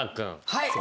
はい。